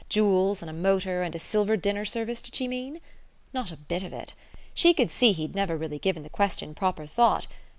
Jewels, and a motor, and a silver dinner service, did she mean? Not a bit of it! She could see he'd never given the question proper thought.